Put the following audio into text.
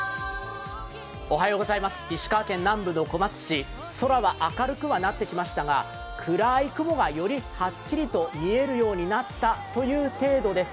石川県南部の小松市、空は明るくはなってきましたが、暗い雲がはっきりと見えるようになったという程度です